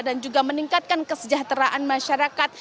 dan juga meningkatkan kesejahteraan masyarakat